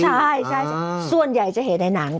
ใช่ส่วนใหญ่จะเห็นในหนัง